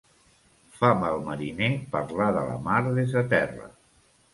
Fa mal mariner parlar de la mar des de terra.